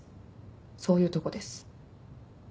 そういうとこです。